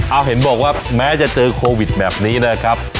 เอาเห็นบอกว่าแม้จะเจอโควิดแบบนี้นะครับ